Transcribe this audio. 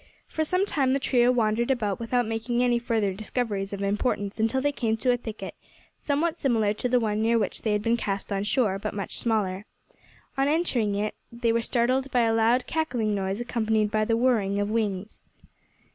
For some time the trio wandered about without making any further discoveries of importance until they came to a thicket, somewhat similar to the one near which they had been cast on shore, but much smaller. On entering it they were startled by a loud cackling noise, accompanied by the whirring of wings.